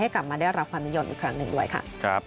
กลับมาได้รับความนิยมอีกครั้งหนึ่งด้วยค่ะ